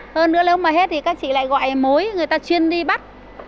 hơn nữa lúc mà hết thì các chị lại gọi mối người ta chuyên đi bắt